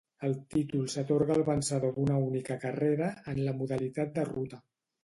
El títol s'atorga al vencedor d'una única carrera, en la modalitat de ruta.